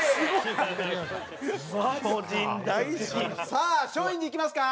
さあ松陰寺いきますか。